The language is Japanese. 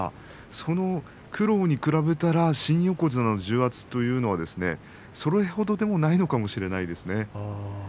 その苦労に比べたら新横綱の重圧というのはそれほどでもないのかもしれないですね。